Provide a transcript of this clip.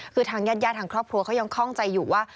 คือทางญาติญาติทางครอบครัวเขายังคล่องใจอยู่ว่า